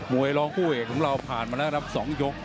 มวยล้องผู้ห่วงเราผ่านมาแล้วก็สองยก